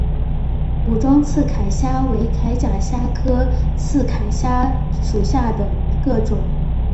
武装刺铠虾为铠甲虾科刺铠虾属下的一个种。